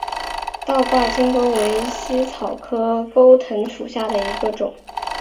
倒挂金钩为茜草科钩藤属下的一个种。